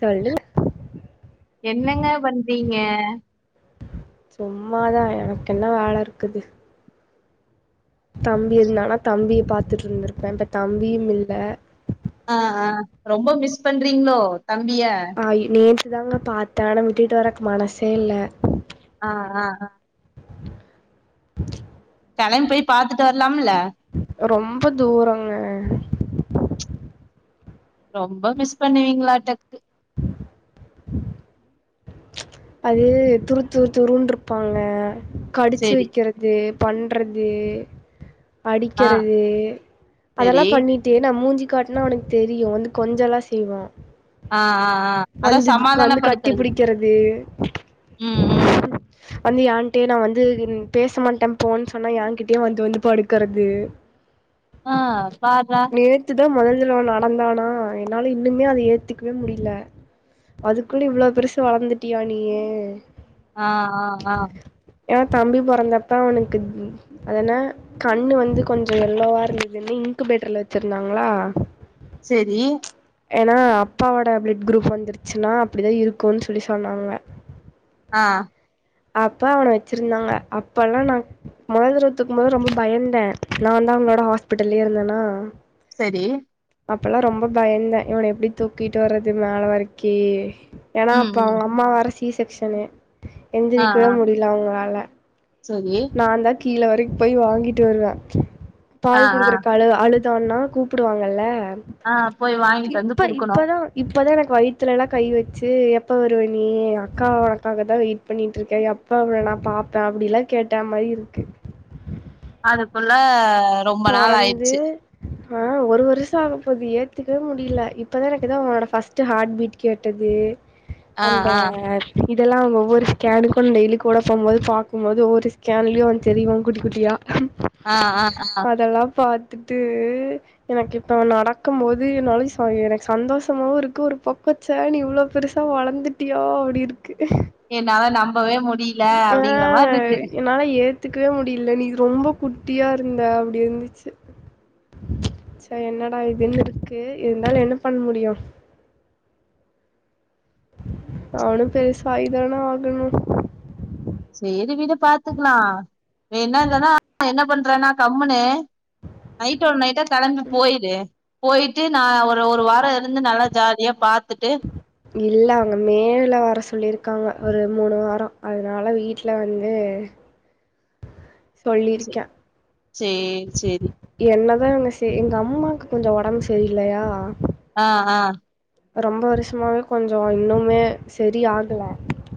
சொல்லுங்க என்னங்க பண்றீங் க சும்மாதான் எனக்கு என்ன வேலை இருக்குது. தம்பிது நானா தம்பிய பார்த்துட்டு இருந்திருப்பேன் இப்ப தம்பியும் இல்ல ஆஹ் ஆஹ் ரொம்ப மிஸ் பண்றீங்களோ தம்பிய இது தாங்க பார்த்தேன் ஆனா விட்டுட்டு வர்றக்கு மனசே இல்ல ஆஹ் ஆஹ் ஆஹ் [unintelligible] கிளம்பி போய் பாத்துட்டு வரலாம ல்ல ரொம்ப தூரங்க ரொம்ப மிஸ் பண்ணுவீங்களாட்ருக்கு அது துரு துரு துருனு இருப்பாங்க கடிச்சு சேரி வைக்கிறது பண்றது ஆ படிக்கிறது சேரி அதெல்லாம் பண்ணிட்டு நான் மூஞ்சி காட்னா அவனக்கு தெரியும் வந்து கொஞ்சல்லாம் செய்வான். ஆ ஆ ஆ அதா கட்டி சமாதானப்படுத்துறது. பிடிக்கிறது ம் ம் வந்து ஏன்ட்டே நா வந்து உம் பேச மாட்ட போன்னு சொன்னா ஏன்கிட்டயே வந்து வந்து படுக்கறது. ஆஹ் பார்ரா. துதா மொதல் [unintelligible] நடந்தானா என்னால இன்னுமே அத ஏத்துக்கவே முடியல அதுக்குள்ள இவ்ளோ பெருசா வளர்ந்துட் ட்டியா நீயு ஆ ஆ ஆ ஏ தம்பி பொறந்தப்ப அவனுக்கு அது என்ன கண்ணு வந்து கொஞ்சொ எல்லோவா இருந்துதுன்னு இன்குபேட்டர்ல வச்சிருந்தாங்களா சரி. ஏனா அப்பாவோட பிளட் குரூப் வந்துருச்சுன்னா அப்படிதா இருக்கூன்னு சொல்லி சொன்னாங்க. ஆ அப்பா அவன வச்சிருந்தாங்க அப்பெல்லா நா மொதல் தடவ தூக்கும்போதே ரொம்ப பயந்த நாந்தா அவனோட ஹாஸ்பிட்டல்லயே இருந்தனா சரி. அப்பல்லா ரொம்ப பயந்த இவன எப்டி தூக்கிட்டு வர்றது மேல வரைக்கி ஏனா ம் அப்ப ம் அவங்க அம்மா வேற சி சி செக்சன். ஆ எந்திரிக்கவே ஆ முடியல அவங்களால நான் [unintelligible] தான் கீழ வரைக்கு போய் வாங்கிட்டு வருவ ஆ பால் ஆ குடுக்குற கால ஆளு தோன்னா கூப்புடுவாங்கல ஆ போய் வாங்கிட்டு வந்து குடுக்கணு இப்போதா எனக்கு வயித்துலலா கை வச்சு எப்போ வருவ நீ அக்கா உனக்காகதா வெயி ட் பண்ணிட்ருக்க எப்ப அவள நா பாப்ப அப்டிலா கேட்டா மாயிருக்கு அதுக்குள்ள ரொம்ப நாள் பொறந்து ஆயிடுச்சு ஆ ஒரு வருஷம் ஆக போது ஏத்துக்கவே முடியல இப்பதா எனக் எதோ அவனோட ஃபஸ்ட்டு ஹாட் பீட் கேட்டுது ஆ அந்த ஆ இதெல்லா அவ ஒவ்வொரு ஸ்கேனுக்கு டெய்லி கூட போம்போது பாக்கும்போது ஒவ்வொரு ஸ்கேன்லையு அவன் தெரிவான் குட்டி குட்டியா ஆ ஆ ஆ அதெல்லா பாத் த்துட்டு எனக்கு இப்போஅவெ நடக்கம் போது என்னாலய் ச எனக்கு சந்தோஷமாவு இருக்கு ஒரு பக்க ச்ச நீ இவ்ளோ பெருசா வளந்துட்டியா அப்டி இருக்கு என்னால நம்பவே மு ஆ என்னால ஏத்துக்கவே முடியல நீ ரொம்ப குட் ட்டியா இருந்த அப்டி இருந்துச்சு ச் ச என்னடா இதுன்னு இருக்கு இருந்தாலு என்ன பண்ண முடியு அவனு பெருசாய் தான ஆகணு சேரி விடு பாத்துக்கலா க்றானா கம்முனு நைட்டோட நைட்டா கெளம்பி போய்டு போயிட்டு நா ஒரு ஒரு வார [unintelligible] இருந்து நல்லா ஜாலியா பாத் துட்டு இல்ல அவங்க மேல வர சொல்லிருக்காங்க ஒரு மூணு வாரோ அதனால வீட்ல வந்து சே சொல்லிருக்கே சேரி சேரி என்னதாங்க சே எங்க அம்மாக் கொஞ்சோ ஒடம்பு சரியில்லயா ஆ ஆ ரொம்ப வருஷமாவே கொஞ்சோ இன்னுமே செரி ஆகல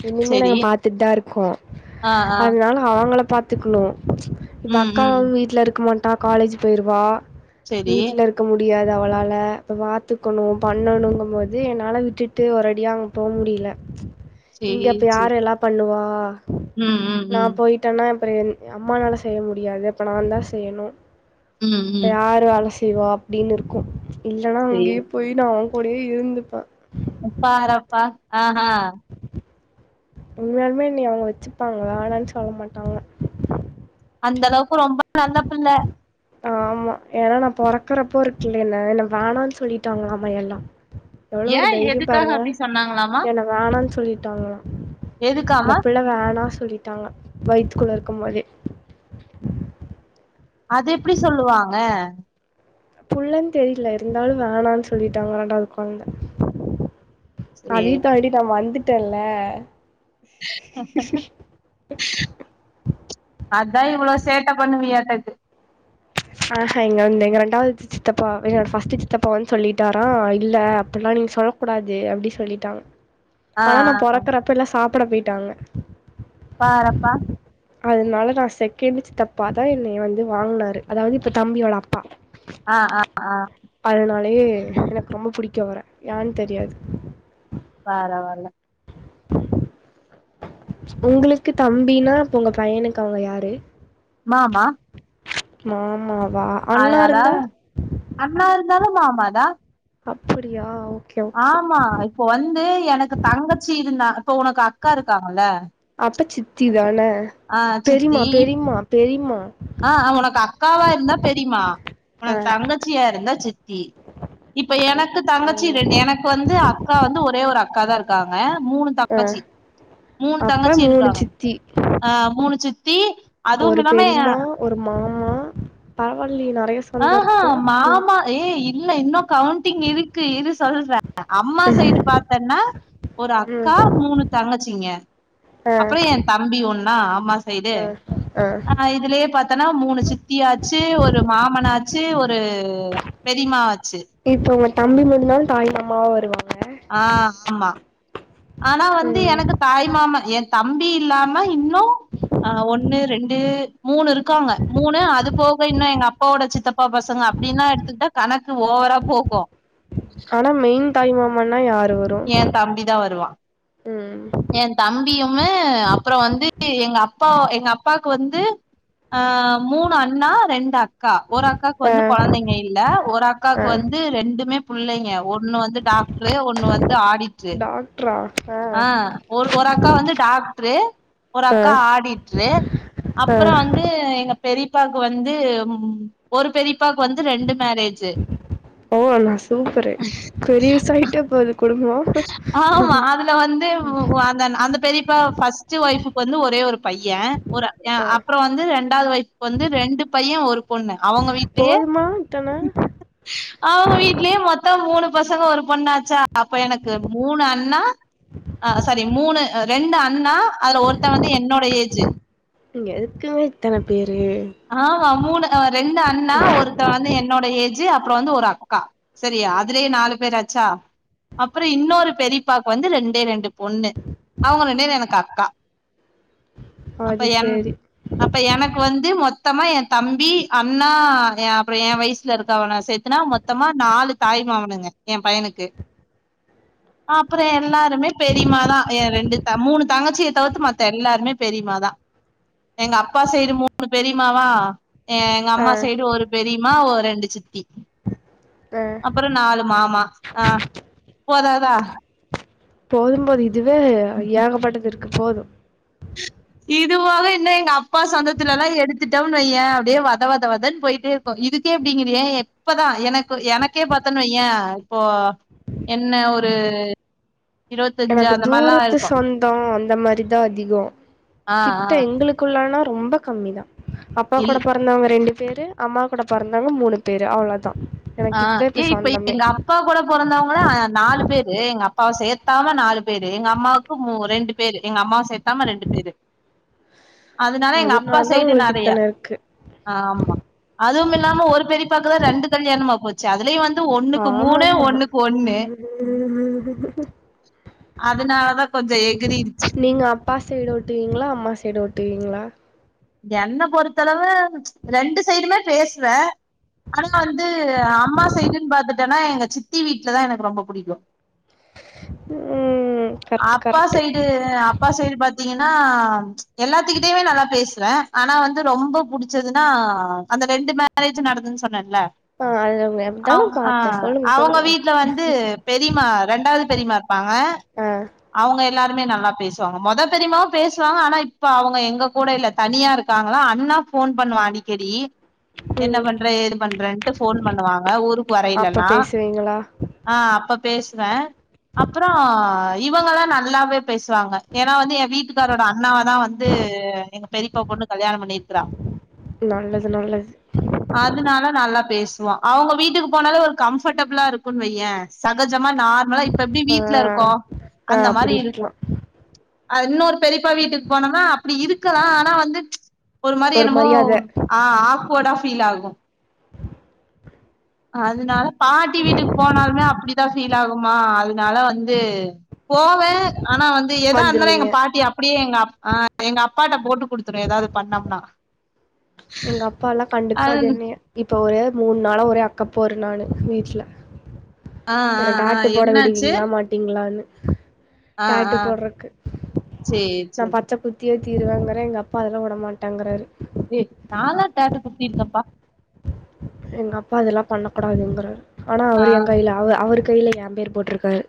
இன்னுமே செரி நாங்க பாத்துட் தா இருக்கோ ஆ ஆ அதனால அவுங்கள பாத்துக்ணு இப்ப ம் அக்கா ம் வீட்ல இருக்க மாட் டா காலேஜு போயிருவா செரி வீட்ல இருக்க மு டியாது அவளால இப்ப பாத்துக்கணு பண்ணணுங்கும் போது என்னால விட்டுட்டு ஒரு அடியா அங்க போ முடியில இங்க சேரி அப்ப சேரி யார் எல்லா பண்ணுவா ஆ ம் ம் ம் அப்பறோ எ அம்மனால செய்ய முடியாது அப்ப நா தா செய்யணு ம் இப்ப ம் யாரு அலசி திவா அப்டீன் இருக்கு இல்லனா சேரி அங்கியுஉ போய் நாங் [unintelligible] இருந்துப்பா ப்பாறப்பா அ அ உண்மையால்மே நீ அவுங்க வெச்சுப்பாங்களா வேணா சொல்ல மாட்டாங்கள அந்த அளவுக்கு ரொம்ப நல்ல பிள்ள ஆமா ஏன்னா நா பொறக்கறப்போ [unintelligible] என்ன வேணான் சொல்லிட்டாங்கலாமா எல்லா ஏ எதுக்காக அப்டி சொன்னாங்களாமா ல்லிட்டாங்களா இந்த எதுக்காமா பிள்ள வேணா சொல்லிட்டாங்க வய்த்துக்குள்ளே இருக்கும் போதே அது எப்டி சொல்லுவாங்க புள்ளன் தெரில இருந்தாலு சொல்லிட்டாங்களா வேண்டா சொல்லிட்டாங்க ரெண்டாவத் கொழந்த சரி அதையு தாண்டி நா வந்துட் விட்டல்ல அதான் இவ்வளோ சேட்ட பண்ணுவியாட்டம் இக்கு ஆஹா ஹா எங்க வ வந்து எங்க ரெண்டாவது சித்தப்பா என் ஃபர்ஸ்ட் சித்தப்பா வந்து சொல்லிட்டாரா இல்ல அப்டில்லாம் நீ சொல்ல கூடாது அப்படி சொல்லிட்டாங்க ஆ பணம் ஆ நான் ஆ பொறக்கறப்ப இல்ல சாப் ப்பற போயிட்டாங்க பாரப்பா அதனால நான் செகண்டு சித்தப்பாதான் என்னை வந்து வாங்கனாரு அதாவது இப்ப தம்பியோட அப்பா ஆஹ் ஆஹ் ஆஹ் அத்னாலே எனக்கு ரொம்ப புடிக்கும் அவர ஏன்னு தெரியாது பரவாயல்ல உங்களுக்கு தம்பினா அப்ப உங்க பையனுக்கு அவுங்க யாரு மாமா மாமா ஆஹ் தாஅ அண்ணா இருந்தாலும் மாமா தான் அப்படியா ஒ ஆமா இப்ப வந்து எனக்கு தங்கச்சி இருந்தா இப்ப உனக்கு அக்கா இருக்காங்கல சி தான பெரிம்மா பெரிம்மா பெரிம்மா ஆ உனக்கு அக்காவா இருந்தா பெரிமா ஆ உனக்கு தங்கச்சியா இருந்தா சி சித்தி இப்ப ஓ எனக்கு தங்கச்சி ம் ரெ எனக்கு வந்து அக்கா வந்து ஒரு ஒரே ஒரு அக்கா தா இருக்காங்க மூணு ஆ தங்கச்சி மூணு அப்ப தங்கச்சி மூணு இருக்காங்க சித்தி ஆ மூணு சித்தி அதுவும் ஒரு இல்லாம பெரிமா ஒரு மாமா பரவாயில்லையே நெறைய ஆ சொந்தம் இருக்கு ம் மாமா ஏ இல்ல இன்னு கவுண்டிங் இருக்கு இரு [unintelligible] அம்மா சைடு பாத்தேன்னா ஒரு ம் அக்கா மூணு தங்கச்சிங்க ஆ அப்புறோ என் தம்பி ஒண்ணா அம்மா சைடு ஆ ஆ ஆஹ் இதுலயே பாத்தோன்னா மூணு சித்தியாச்சு ஒரு மாமனாச்சு ச்சு ஒரு பெரிமா வச்சு இப்போ உங்க தம்பி முன்னள் தாய் மாமாவ வருவா ஆ ஆமா ஆனா வந்து ம் எனக்கு தாய் மாமா என் தம்பி இல்லாம இன்னு ஆ ஒன்னு ரெண்டு மூணு இருக்காங்க மூணு அது போக இன்னு எங்க அப் ஓட சித்தப் அப்பா பசங்க அப்டின எடுத்துக்கிட்டா கணக்கு ஓவரா போக ஆனா மெயின் தாய் மாமானா யார் எ தம்பி தா வருவா ம் எ தம்பியுமே அப்பற வந்து எங்க அப்பா எங்க அப்பாக்கு வந்து அ மூணு அண்ணா ரெண்டு அக் கா ஒரு அக்காக்கு ஆ வந்து குழந்தைங்க இல்ல ஒரு ஆ அக்காவுக்கு வந்து ரெண்டுமே புள்ளைங்க ஒண்ணு வந்து டாக்டரு ஒண்ணு வந்து ஆடிடரு ஆ ஒரு ஒரு அக்கா வந்து டாக்டரு ஒரு ஆ அக்கா ஆடிட்ரு ஆ அப்பற வந்து எங்க பெரிப்பாக்கு வந்து ம் ஒரு பெரிப்ப ஓ நா சூப்பரு பெருசாயிட்டே போது குடும்போ இப்ப வந்து அ அந்த பெரிப் பெரிப்ப ஃபார்ஸ்ட் வைஃப்க்கு வந்து ஒரே ஒரு பைய ஒரு அ ஆ அப்புற வந்து ரெண்டாவது வைஃப்க்கு வந்து ரெண்டு பைய ஒரு பொண்ணு அவங்க வீடலயே போதுமா இத்தன அவங்க வீடலயே மொத்த மூணு பசங்க ஒரு பொண்ணாச்சா அப்ப எனக்கு மூணு அண்ணா ரெண்டு அண்ணா அதுல ஒருத்தன் வந்து என்னோட ஏஜு இங்க எதுக்குங்க இத்தன பேரு ஆமா மூணு அ ரெண்டு அண்ணா ஒருத்தன் வந்து என்னோட ஏஜு அப் அப்றோ வந்து ஒரு அக்கா சரியா அதுலயே நாலு பேர் ஆச்சா அப்பறொ இன்னொரு பெரிப்பாக்கு வந்து ரெண் டே ரெண்டு பொண்ணு அவுங்க ரெண் பேர் எனக்கு அக்கா அப்ப அது என் சரி அப்ப எனக்கு வந்து மொத் மொத்தமா என் தம்பி அண்ணா என் அப்பறொ என் வய்சுல இருக்கவன சேத்துனா மொத்தமா நாலு தாய்மாமனுங்க என் பயனுக்கு அப்பறொ எல்லாருமே பெரிமாதா என் ரெண்டு த மூணு தங்கச்சியத் தவிர்த்து மத்த எல்லாருமே பெரிமாதா எங்க அப்பா சைடு மூணு பெரிமாவா எங்க ஆ அம்மா சைடு ஒரு பெரி மா ஓ ரெண்டு சித்தி ஆ அப்பற நாலு மாமா ஆ போதாதா போதும் போது இதுவே ஏகபட்டதிர்க்கு போது இது போக இன்னு எங்க அப்பா சொந்தத்துலல்லா எடுத்துட்டம்னு வையே அப்டியே வத வத வதன் பொய்ட்டே இருக்கு இதுக்கே இப்டிங்கிறியே எப்பதா எனக்கு எனக்கே பாத்தன் வைய இப்போ என்ன ஒரு இருவத்தஞ்சு எனக்கு அந்த மாரிலா தூரத்து இருக்கு சொந்தோ அந்த மாரிதா அதிகோ ஆ ஆ கிட்ட எங்களுக்குள்ள னா ரொம்ப கம்மி தா அப்பா இல் கூட பொறந்தவங்க ரெண்டு பேரு அம்மா கூட பொறந்தவங்க மூணு பேரு அவ்ளோதா ஆ ஏய் இப்ப எங்க அப்பா கூட பொறந்தவங்களா நாலு பேரு எங்க அப்பாவ சேத்தாம நாலு பேரு எங்க அம்மாக்கு மு ரெண்டு பேரு எங்க அம்மாவ சேத்தாம ரெண்டு பேரு அதுனால எங்க அப்பா அதனால தான் சைடு உங்களுக்கு நறையா இத்தன இருக்கு ஆமா அதுவுமில்லாம ஒரு பெரிப் பாக்குதா ரெண்டு கல்யாணமா போச்சு அதுலயு வந் ஆமாமா ல கொஞ்ச எ நீங்க அப்பா சைடு ஒ ட்டுவீங்ளா அம்மா சைடு ஒட்டுவீங்ளா என்ன பொறுத்தளவு ரெண்டு சைடுமே பேசுவே ஆனா வந்து அம்மா சைடுன் பாத்துட்டனா எங்க சித்தி வீட்லதா எனக்கு ரொம்ப புடிக்கு ம் கரெக்ட் அப்பா கரெக்ட் சைடு அப்பா சைடு பாத்தீங்கன்னா ஆ எல்லாத்துக்கிட்டயுமே நல்லா பேஸ் வ ஆனா வந்து ரொம்பொ புடிச்சதுன்னா அந்த ரெண்டு மேரேஜ் நடந்துன்னு சொன்ன ல ஆ அது அதான அவுங் அ பாத்தேன் சொல்லுங்க அவங்க சொல்லுங்க வீட்ல வந்து பெரிமா ரெண்டாது பெரிமா இருப்பாங்க ஆ அவங்க எல்லா மே நல்லா பேசுவாங்க மொதப் பெரியம்மாவு பேசுவாங்க ஆனா இப்ப அவங்க எங்க கூட இல்ல தனியா இருக்காங்களா அண்ணா ஃபோன் பண்ணுவா அடிக்கடி என்ன ம் பண்ற ஏது பண்றேன்ட்டு ஃபோன் பண்ணுவாங்க ஊருக்கு அப்ப வரையில்லன்னா பேசுவீங்களா ஆஹ் அப்பப் பேசுவேன் அப்புறம் இவங்கல்லாம் நல்லாவே பேசுவாங்க ஏன்னா வந்து என் வீட்டுக்காரரோட அண்ணாவ தான் வந்து எங்க க்கிறா நல்லது நல்லது அதனால நல்லா பேசுவா அவங்க வீட்டுக்குப் போனாலே ஒரு கம்ஃபர்டபிளா இருக்குன்னு வையேன் சகஜமா நார்மலா இப் ப எப்பிடி ஆ வீட்டு்ல இருக்கோ ஆ அந்த மாரி அப்டி இருக்கலா இருக்கும் அது இன்னொரு பெரியப்பா வீட்டுக்கு போனோன்னா அப்பிடி இருக்கலாம் ஆ னா வந்து ஒரு மாதிரி என்னமோ ஆஹ் ஆக்வேர்டா ஃபீலாகும் அதுனால பாட்டி வீட்டுக்கு போனாலுமே அப்பிடித்தான் ஃபீல் ஆகுமா அதனால வந்து போவேன் ஆனா வந்து எதா இருந்தாலு வந்துருவீங்க எங்க பாட்டி அப்பிடியே எங்க அப் ஆஹ் எங்க அப்பாட்ட போட்டுக் குடுத்துரு ஏதாவது பண்ணம்னா எங்க அப்பா எல்லா அது கண்டுக்காது என்னைய இப்ப ஒரே மூணு நாளா ஒரே அக்கப்போறு நானு வீட்டுல ஆ ஆ என்ன ஆ டாட்டூ போட என்னாச்சு விடுவீங்களா மாட்டீங்களான்னு ஆ டாட்டூ ஆ போட்றக்கு சேரி நா சேரி பச்சக் குத்தியே தீருவேங்கற எங்க அப்பா அதெல்லா விடமாட்டேங்கிறாரு ஏ நால்லா டாட்டூ குத்திருக்கேன்பா எங்க அப்பா அதெல்லாம் பண்ணக்கூடாதுங்குறார் ஆனா ஆ அவரு என் கையில அவ அவரு கையில ஏன் பேர் போட்டிருக்கார்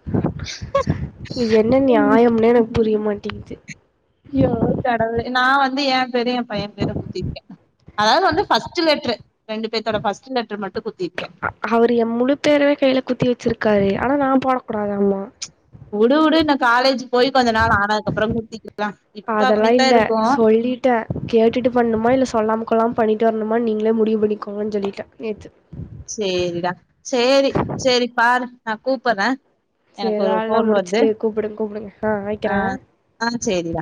நியாயம்னே எனக்கு புரிய மாட்டேங்குது அய்யோ கடவுளே நா வந்து என் பேரயு என் பைய பேரும் குத்திருக்கே அதாவது வந்து ஃபர்ஸ்ட்டு லெட்டரு ரெண்டு பேத்தோட ஃபர்ஸ்ட் லெட்டர் மட்டு குத் ஹ அவரு என் முழு பேரவே கையில குத்தி வெச்சிருக்காரு ஆனா நா போடக்கூடாதாம்மா உடு உடு இன்னோ காலேஜ் போய் கொஞ்ச நாள் ஆனதுக்கப்றோ குத்திக்கலா இப்ப அதெல்லா அப்டித்தா இல்ல இருக்கு சொல்லிட்டே கேட்டுட்டு பண்ணுமா இல்ல சொல்லாம கொல்லாம பண்ணிட்டு வரணுமா நீங்களே முடிவு பண்ணிக்கோங்கனு சொல்லிட்டே நேத்து சேரிடா சேரி செரி பாரு நா கூப்புட்றே சேரி வேல்லா முடிச்சிட்டு கூப்புடுங்க கூப்பிடுங்க ஆஹ் ஆ வெக்கறே ஆ சேரி